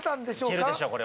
いけるでしょこれは。